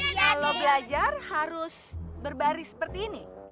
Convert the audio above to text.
kalau belajar harus berbaris seperti ini